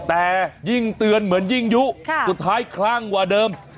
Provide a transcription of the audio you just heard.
แต่ยิ่งเตือนเหมือนยิ่งยุสุดท้ายคลั่งกว่าเดิม